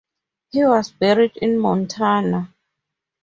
He was buried in Montana.